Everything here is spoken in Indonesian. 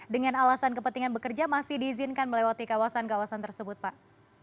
dengan alasan kepentingan bekerja masih diizinkan melewati kawasan kawasan tersebut pak